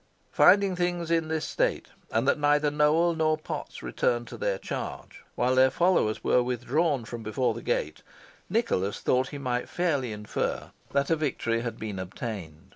Finding things in this state, and that neither Nowell nor Potts returned to their charge, while their followers were withdrawn from before the gate, Nicholas thought he might fairly infer that a victory had been obtained.